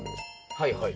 はいはい。